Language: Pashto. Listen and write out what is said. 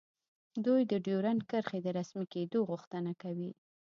دوی د ډیورنډ کرښې د رسمي کیدو غوښتنه کوي